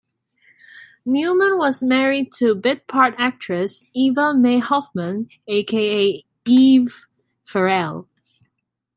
Newman was married to bit-part actress Eva May Hoffman aka Eve Farrell.